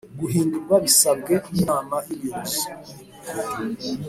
guhindurwa bisabwe n Inama y Ubuyobozi